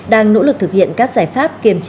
đang nỗ lực thực hiện các giải pháp kiềm chế dịch bệnh